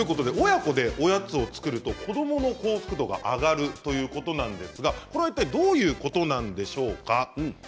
親子でおやつを作ると子どもの幸福度が上がるということなんですがどういうことなのでしょうか。